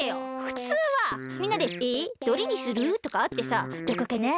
フツウはみんなで「えどれにする？」とかあってさ「どこかな？」